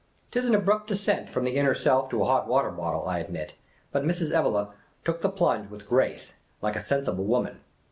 'T is an abrupt descent from the inner self to a hot water bottle, I admit ; but Mrs, Evelegh took the plunge with grace, like a sensible woman.